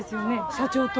社長と。